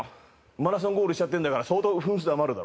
マラソンゴールしちゃってるんだから分数余るよ。